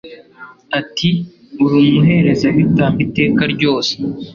ati Uri umuherezabitambo iteka ryose